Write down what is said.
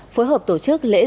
phối hợp tổ chức lễ dạng